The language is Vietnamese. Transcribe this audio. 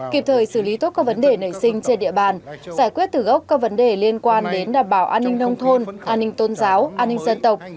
kịp thời xử lý tốt các vấn đề nảy sinh trên địa bàn giải quyết từ gốc các vấn đề liên quan đến đảm bảo an ninh nông thôn an ninh tôn giáo an ninh dân tộc